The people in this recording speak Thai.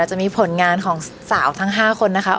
จะมีผลงานของสาวทั้ง๕คนนะคะ